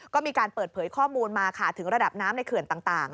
ก็มีการเปิดเผยข้อมูลมาค่ะถึงระดับน้ำในเขื่อนต่าง